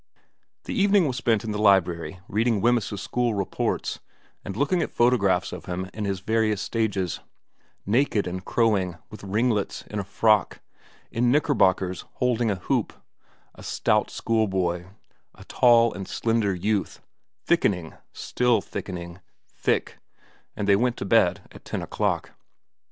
The evening was spent in the library reading Wemyss's school reports, and looking at photographs of him in his various stages, naked and crowing ; with ringlets, in a frock ; in knickerbockers, holding a hoop ; a stout schoolboy ; a tall and slender youth ; thickening ; still thickening ; thick, and they went to bed at ten o'clock.